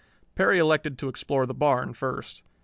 Perry elected to explore the barn first.